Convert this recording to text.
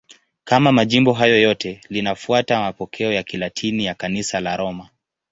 Kama majimbo hayo yote, linafuata mapokeo ya Kilatini ya Kanisa la Roma.